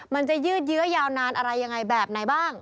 มันจะยืดเยื้อยาวนานอะไรยังไงแบบไหนบ้าง